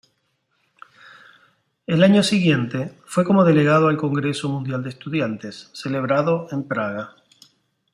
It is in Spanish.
El año siguiente, fue como delegado al Congreso Mundial de Estudiantes, celebrado en Praga.